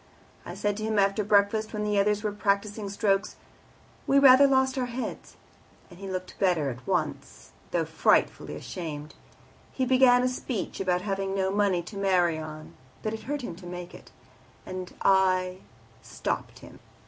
I said to him after breakfast, when the others were practising strokes, 'We rather lost our heads,' and he looked better at once, though frightfully ashamed. He began a speech about having no money to marry on, but it hurt him to make it, and I stopped him.